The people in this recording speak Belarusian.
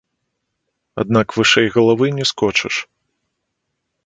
Аднак вышэй галавы не скочыш.